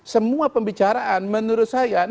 semua pembicaraan menurut saya